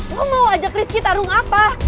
mau mau ajak rizky tarung apa